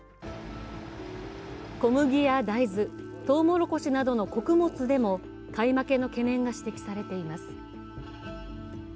小麦や大豆、とうもろこしなどの穀物でも買い負けの懸念が指摘されています。